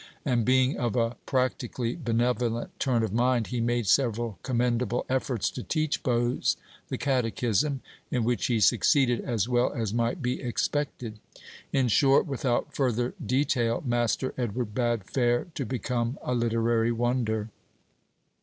And, being of a practically benevolent turn of mind, he made several commendable efforts to teach Bose the catechism, in which he succeeded as well as might be expected. In short, without further detail, Master Edward bade fair to become a literary wonder.